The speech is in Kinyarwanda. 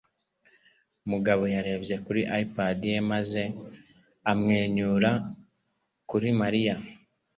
Mugabo yarebye kuri iPad ye maze amwenyura kuri Mariya.